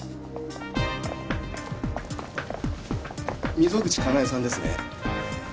溝口カナエさんですね？